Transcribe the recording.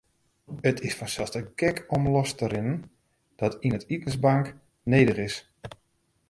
It is fansels te gek om los te rinnen dat in itensbank nedich is.